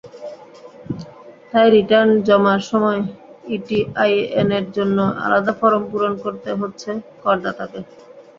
তাই রিটার্ন জমার সময় ইটিআইএনের জন্য আলাদা ফরম পূরণ করতে হচ্ছে করদাতাকে।